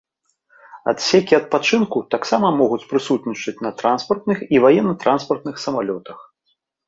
Адсекі адпачынку таксама могуць прысутнічаць на транспартных і ваенна-транспартных самалётах.